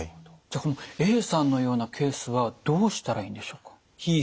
じゃこのＡさんのようなケースはどうしたらいいんでしょうか？